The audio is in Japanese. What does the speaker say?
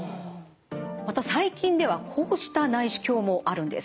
また最近ではこうした内視鏡もあるんです。